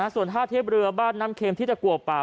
ส่วนท่าเทียบเรือบ้านน้ำเข็มที่ตะกัวป่า